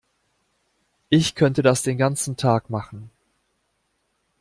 Ich könnte das den ganzen Tag machen.